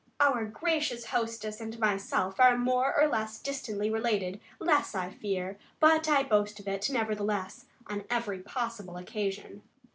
Our gracious hostess and myself are more or less distantly related less, I fear but I boast of it, nevertheless, on every possible occasion.